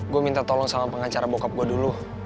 gue minta tolong sama pengacara bockup gue dulu